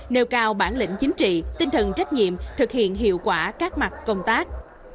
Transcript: nêu cao bản lĩnh chính trị tinh thần trách nhiệm thực hiện hiệu quả các mặt công tác